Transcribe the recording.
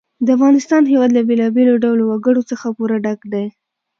د افغانستان هېواد له بېلابېلو ډولو وګړي څخه پوره ډک دی.